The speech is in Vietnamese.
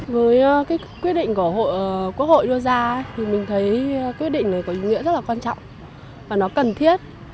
với cái quyết định của quốc hội đưa ra thì mình thấy quyết định này có ý nghĩa rất là quan trọng và nó cần thiết